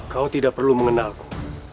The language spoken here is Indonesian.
kau tidak perlu mengenalku